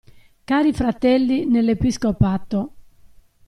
Cari fratelli nell'Episcopato.